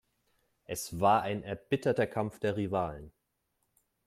Es war ein erbitterter Kampf der Rivalen.